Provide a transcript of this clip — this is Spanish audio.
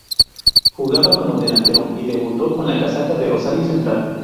Jugaba como delantero y debutó con la casaca de Rosario Central.